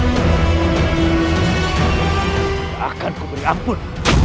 tak akan kuberi ampun